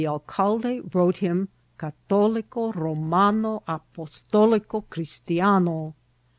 alcalde wrote him Catolico Romano Apoetolico Chris tiano.